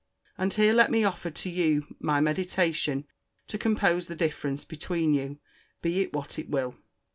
And here let me offer to you my mediation to compose the difference between you, be it what it will.